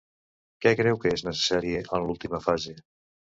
Què creu que és necessari en l'última fase?